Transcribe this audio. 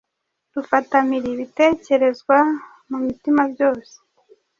Dufata mpiri ibitekerezwa mu mitima byose